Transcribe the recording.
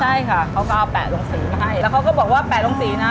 ใช่ค่ะเขาก็เอาแปะลงสีมาให้แล้วเขาก็บอกว่าแปะลงสีนะ